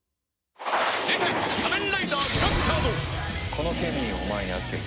このケミーをお前に預ける。